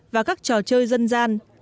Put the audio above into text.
và các trò chơi dân gian